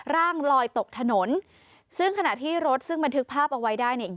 ร่างลอยตกถนนซึ่งขณะที่รถซึ่งบันทึกภาพเอาไว้ได้เนี่ย